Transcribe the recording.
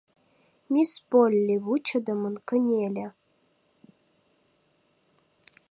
Мисс Полли вучыдымын кынеле.